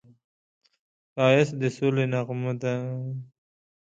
ښایست د سولې نغمه ده